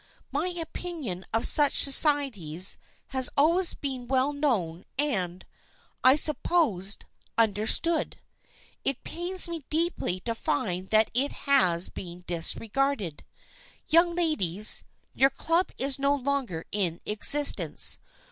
My opinion of such societies has always been well known and, I supposed, un derstood. It pains me deeply to find that it has been disregarded. Young ladies, your Club is no longer in existence.